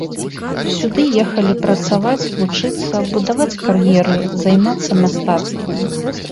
Сюды ехалі працаваць, вучыцца, будаваць кар'еры, займацца мастацтвам.